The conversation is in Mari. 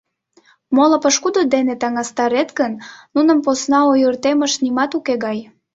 Моло пошкудо дене таҥастарет гын, нунын посна ойыртемышт нимат уке гай.